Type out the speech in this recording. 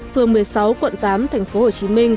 phường một mươi sáu quận tám tp hcm